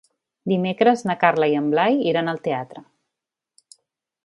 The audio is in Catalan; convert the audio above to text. Dimecres na Carla i en Blai iran al teatre.